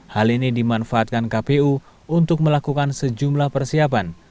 hal ini dimanfaatkan kpu untuk melakukan sejumlah persiapan